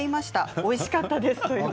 おいしかったです。